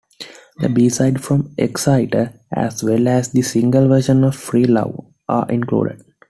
The B-sides from "Exciter" as well as the single version of "Freelove" are included.